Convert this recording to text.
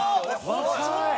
若い！